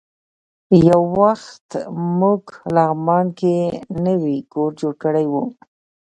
یو وخت موږ لغمان کې نوی کور جوړ کړی و.